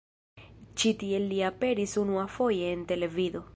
Ĉi tiel li aperis unuafoje en televido.